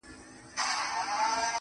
د جان نریو گوتو کښلي کرښي اخلمه زه~